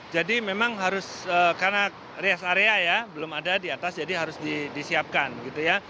jadi memang harus karena rest area ya belum ada di atas jadi harus disiapkan gitu ya